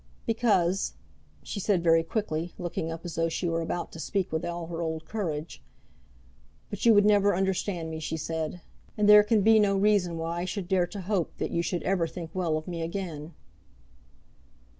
"Because ," she said very quickly, looking up as though she were about to speak with all her old courage. "But you would never understand me," she said, "and there can be no reason why I should dare to hope that you should ever think well of me again."